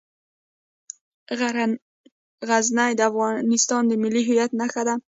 غزني د افغانستان د ملي هویت نښه ده.